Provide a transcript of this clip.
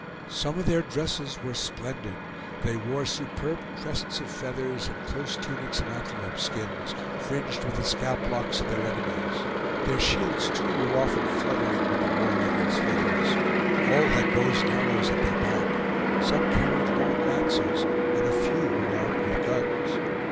Some of their dresses were splendid. They wore superb crests of feathers and close tunics of antelope skins, fringed with the scalp locks of their enemies; their shields too were often fluttering with the war eagle's feathers. All had bows and arrows at their back; some carried long lances, and a few were armed with guns.